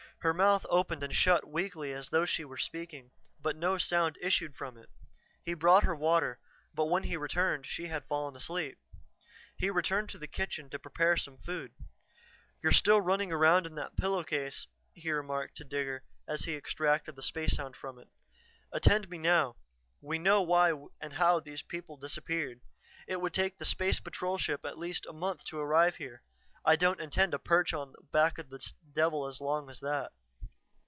Her mouth opened and shut weakly as though she were speaking, but no sound issued from it. He brought her water, but when he returned she had fallen asleep. He returned to the kitchen to prepare some food. "You're still running around in that pillow case," he remarked to Digger as he extracted the spacehound from it. "Attend me, now. We know why and how those people disappeared. It would take the Space Patrol ship at least a month to arrive here; I don't intend to perch on the back of this devil as long as that.